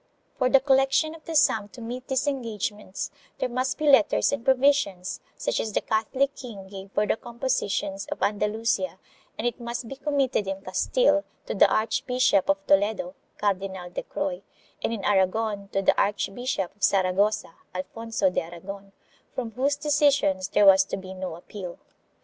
For the collection of the sum to meet these engagements there must be letters and provisions such as the Catholic king gave for the compositions of Andalusia, and it must be committed in Castile to the Archbishop of Toledo (Cardinal de Croy), and in Aragon to the Archbishop of Saragossa (Alfonso de Aragon) from whose decisions there was to be no appeal.